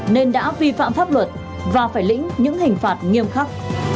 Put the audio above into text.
nên đã vi phạm pháp luật và phải lĩnh những hình phạt nghiêm khắc